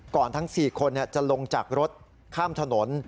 ทั้ง๔คนจะลงจากรถข้ามถนน